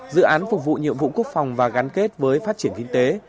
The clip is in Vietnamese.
dự án phục vụ nhiệm vụ quốc phòng và gắn kết với phát triển kinh tế